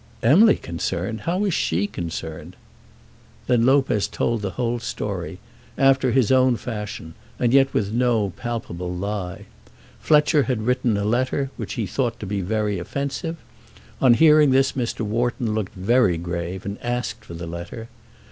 "Emily concerned! How is she concerned?" Then Lopez told the whole story, after his own fashion, and yet with no palpable lie. Fletcher had written to her a letter which he had thought to be very offensive. On hearing this, Mr. Wharton looked very grave, and asked for the letter.